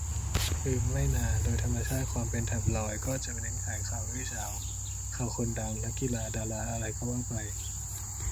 อืม ไม่นา โดยธรรมชาติความเป็นแท็บลอยด์ ก็จะเน้นขายข่าวอื้อฉาว ข่าวคนดัง นักกีฬา ดารา อะไรก็ว่าไป